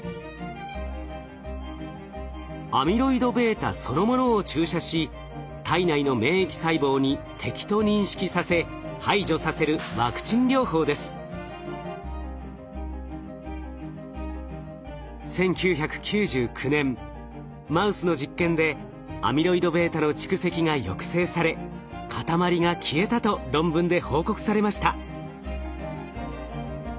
アミロイドβそのものを注射し体内の免疫細胞に敵と認識させ排除させる１９９９年マウスの実験でアミロイドβの蓄積が抑制され塊が消えたと論文で報告されました。